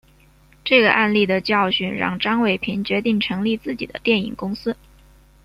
这个案例的教训让张伟平决定成立自己的电影公司。